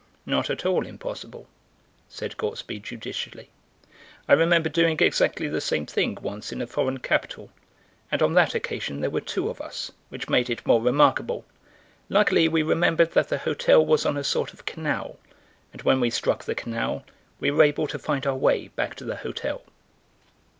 "Not at all impossible," said Gortsby judicially; "I remember doing exactly the same thing once in a foreign capital, and on that occasion there were two of us, which made it more remarkable. Luckily we remembered that the hotel was on a sort of canal, and when we struck the canal we were able to find our way back to the hotel."